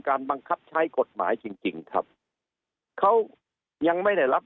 บังคับใช้กฎหมายจริงจริงครับเขายังไม่ได้รับ